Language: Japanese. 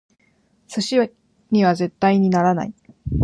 寿司には絶対にならない！